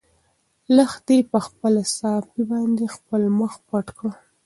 لښتې په خپله صافه باندې خپل مخ پټ کړ.